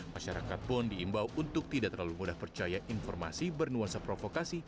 masyarakat pun diimbau untuk tidak terlalu mudah percaya informasi bernuansa provokasi